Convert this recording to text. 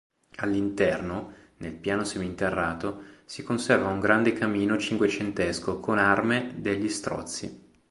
All'interno, nel piano seminterrato, si conserva un grande camino cinquecentesco con arme degli Strozzi.